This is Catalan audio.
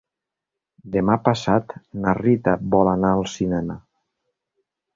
Demà passat na Rita vol anar al cinema.